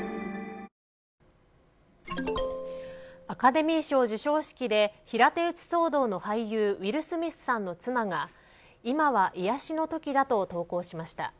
アカデミー賞授賞式で平手打ち騒動の俳優ウィル・スミスさんの妻が今は癒やしの時だと投稿しました。